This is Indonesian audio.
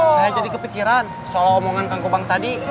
saya jadi kepikiran soal omongan kang kubang tadi